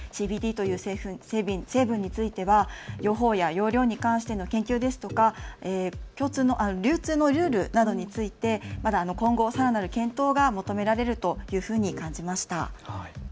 ＣＢＤという成分については用法や用量に関しての研究ですとか流通のルールなどについて今後、さらなる検討が求められるというふうに感じました。